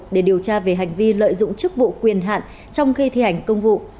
để điều tra về hành vi lợi dụng chức vụ quyền hạn trong khi thi hành công vụ